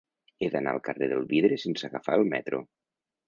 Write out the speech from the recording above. He d'anar al carrer del Vidre sense agafar el metro.